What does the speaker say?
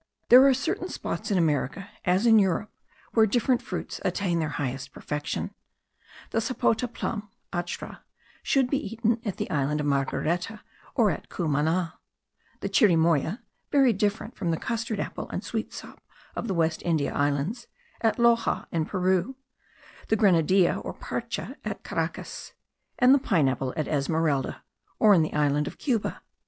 There are certain spots in America, as in Europe, where different fruits attain their highest perfection. The sapota plum (achra) should be eaten at the Island of Margareta or at Cumana: the chirimoya (very different from the custard apple and sweet sop of the West India Islands) at Loxa in Peru; the grenadilla, or parcha, at Caracas; and the pine apple at Esmeralda, or in the island of Cuba.